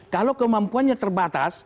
kalau kemampuannya terbatas